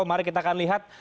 mari kita akan lihat